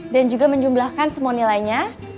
dan juga menjumlahkan semua nilainya